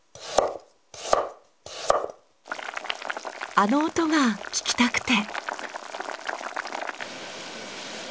あの音が聞きたくて。